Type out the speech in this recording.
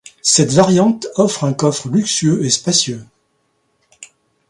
Cette variante offre un coffre luxueux et spacieux.